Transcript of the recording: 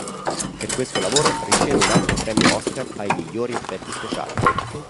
Per questo lavoro riceve un altro premio Oscar ai migliori effetti speciali.